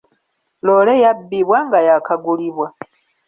Loole yabbibwa nga yaakagulibwa.